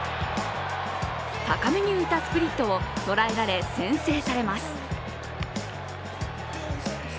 高めに浮いたスプリットを捉えられ、先制されます。